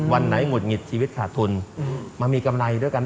วันไหนหงุดหงิดชีวิตขาดทุนมามีกำไรด้วยกัน